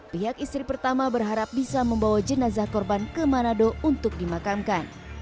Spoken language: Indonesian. pihak istri pertama berharap bisa membawa jenazah korban ke manado untuk dimakamkan